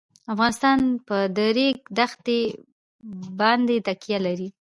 افغانستان په د ریګ دښتې باندې تکیه لري.